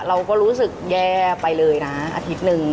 เราก็รู้สึกแย่ไปเลยนะอาทิตย์หนึ่ง